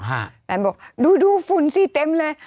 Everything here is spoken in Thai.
หลานบอกดูฝุ่นสี่เต็มเลย